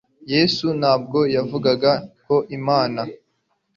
yesu ntabwo yavugaga ko imana